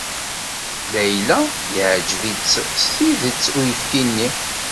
Layla yeɛjeb-itt s tidet uyefki-nni.